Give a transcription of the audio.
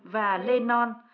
và lê non